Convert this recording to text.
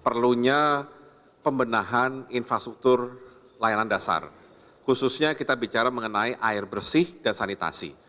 perlunya pembenahan infrastruktur layanan dasar khususnya kita bicara mengenai air bersih dan sanitasi